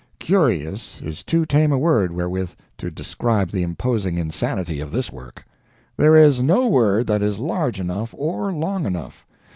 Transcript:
"Curious" is too tame a word wherewith to describe the imposing insanity of this work. There is no word that is large enough or long enough.